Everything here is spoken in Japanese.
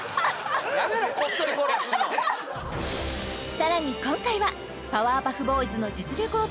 さらに今回はパワーパフボーイズの実力を試す